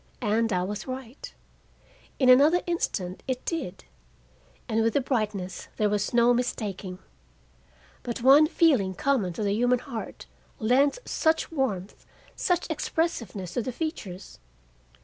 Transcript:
And I was right; in another instant it did, and with a brightness there was no mistaking. But one feeling common to the human heart lends such warmth, such expressiveness to the features.